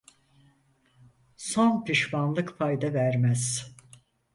Son pişmanlık fayda vermez.